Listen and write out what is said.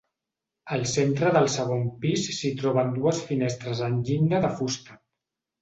Al centre del segon pis s'hi troben dues finestres en llinda de fusta.